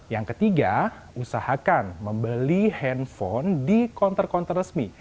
yang ketiga usahakan membeli handphone di konter konter resmi